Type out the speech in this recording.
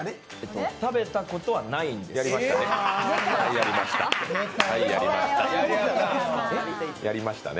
食べたことはないんですよね。